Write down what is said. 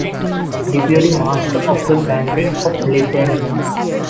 Deputy Master of the Pantry of Lithuania.